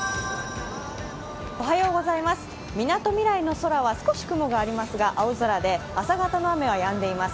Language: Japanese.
みなとみらいの空は少し雲がありますが青空で朝方の雨はやんでいます。